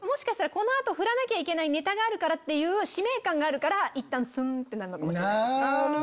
この後ふらなきゃいけないネタがあるからっていう使命感があるからいったんスン！ってなるのかもしれない。